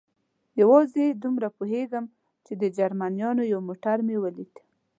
یوازې دومره پوهېږم، چې د جرمنیانو یو موټر مې ولید.